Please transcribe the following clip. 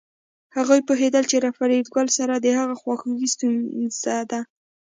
هغوی پوهېدل چې له فریدګل سره د هغه خواخوږي ستونزه ده